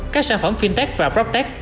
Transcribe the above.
các sản phẩm fintech và proctech